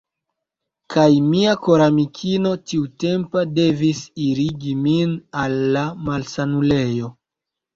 Kaj mia koramikino tiutempa devis irigi min al la malsanulejo.